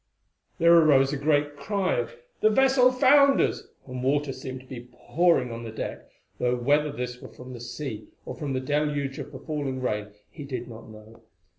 There arose a great cry of "The vessel founders!" and water seemed to be pouring on the deck, though whether this were from the sea or from the deluge of the falling rain he did not know.